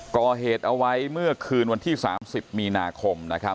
ก่อเหตุเอาไว้เมื่อคืนวันที่๓๐มีนาคม